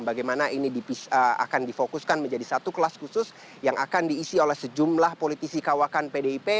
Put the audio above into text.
bagaimana ini akan difokuskan menjadi satu kelas khusus yang akan diisi oleh sejumlah politisi kawakan pdip